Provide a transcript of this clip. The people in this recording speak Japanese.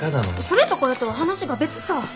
それとこれとは話が別さ。